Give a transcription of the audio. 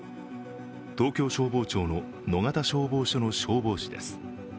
東京消防庁の野方消防署の消防士です。